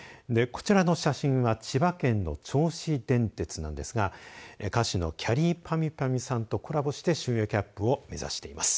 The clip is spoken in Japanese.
こちらの写真は千葉県の銚子電鉄なんですが歌手のきゃりーぱみゅぱみゅさんとコラボして収益アップを目指しています。